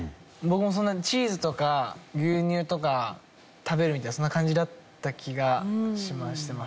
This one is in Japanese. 僕もチーズとか牛乳とか食べるみたいなそんな感じだった気がしてます。